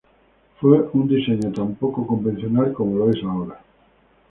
Fue un diseño tan poco convencional como lo es ahora.